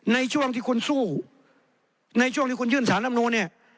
ในช่วงที่คุณสู้ในช่วงที่คุณยื่นสารลำนูนเนี่ย